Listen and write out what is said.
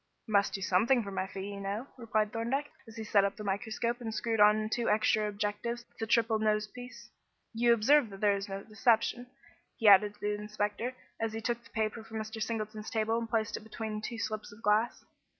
"Must do something for my fee, you know," replied Thorndyke, as he set up the microscope and screwed on two extra objectives to the triple nose piece. "You observe that there is no deception," he added to the inspector, as he took the paper from Mr. Singleton's table and placed it between two slips of glass.